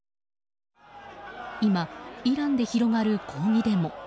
今、イランで広がる抗議デモ。